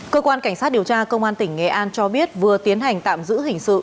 cơ quan cảnh sát điều tra công an tỉnh nghệ an cho biết vừa tiến hành tạm giữ hình sự